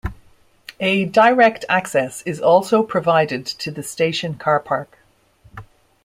A direct access is also provided to the station car park.